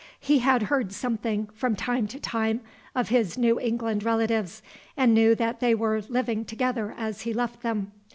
He had heard something, from time to time, of his New England relatives, and knew that they were living together as he left them.